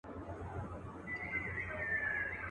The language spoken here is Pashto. سېل د زاڼو پر ساحل باندي تیریږي.